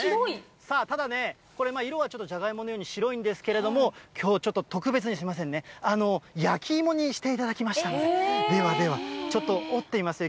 さあ、ただね、じゃがいものように白いんですけれども、きょうちょっと特別に、焼き芋にしていただきましたので、ではでは、ちょっと折ってみますよ。